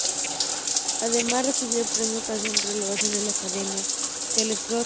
Además recibió el premio Canción Revelación" de la Academia Charles-Cros.